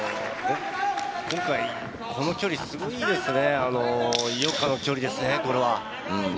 今回この距離、すごいいいですね、井岡の距離ですね。